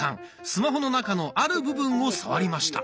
スマホの中のある部分を触りました。